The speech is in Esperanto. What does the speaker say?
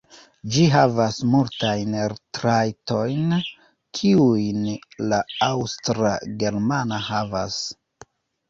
Ĝi havas multajn trajtojn, kiujn la Aŭstra-germana havas.